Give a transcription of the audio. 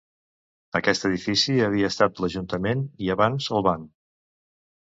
Aquest edifici havia estat l'ajuntament i abans el banc.